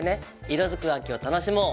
「色づく秋を楽しもう！